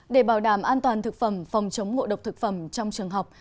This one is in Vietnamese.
để bảo đảm an toàn thực phẩm phòng chống ngộ độc thực phẩm trong trường học